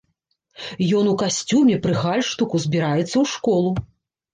Ён у касцюме, пры гальштуку, збіраецца ў школу.